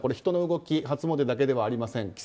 人の動き初詣だけではありません。